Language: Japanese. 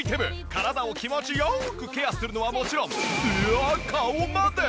体を気持ちよくケアするのはもちろんえっ顔まで！？